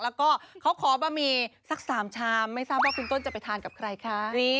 แล้วก็เขาขอบะหมี่สัก๓ชามไม่ทราบว่าคุณต้นจะไปทานกับใครคะ